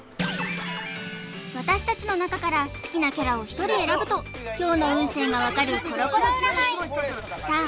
私たちの中から好きなキャラを一人選ぶと今日の運勢がわかるコロコロ占いさあ